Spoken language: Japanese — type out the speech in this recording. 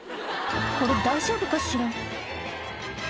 これ大丈夫かしら」